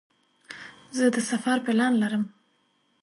زه د سفر پلان لرم.